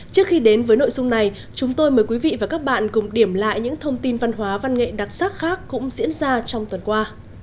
trước khi đến với nội dung này chúng tôi mời quý vị và các bạn cùng điểm lại những thông tin văn hóa văn nghệ đặc sắc khác cũng diễn ra trong tuần qua